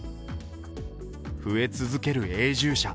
増え続ける永住者。